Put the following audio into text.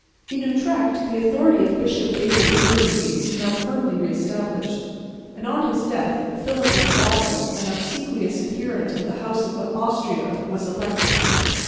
In Utrecht the authority of Bishop David of Burgundy was now firmly re established; and on his death, Philip of Baden, an obsequious adherent of the house of Austria, was elected.